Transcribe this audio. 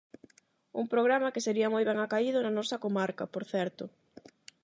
Un programa que sería moi ben acaído na nosa comarca, por certo.